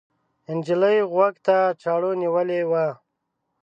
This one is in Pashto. نجلۍ غوږ ته چاړه نیولې وه.